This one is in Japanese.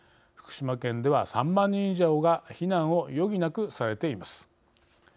福島県では、３万人以上が避難を余儀なくされています。